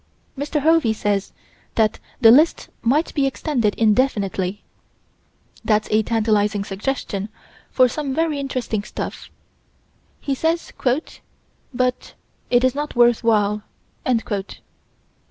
Mr. Hovey says that the list might be extended indefinitely. That's a tantalizing suggestion of some very interesting stuff He says: "But it is not worth while."